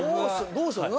どうした？